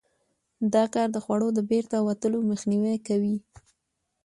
دا کار د خوړو د بیرته وتلو مخنیوی کوي.